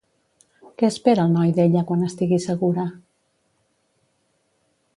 Què espera el noi d'ella quan estigui segura?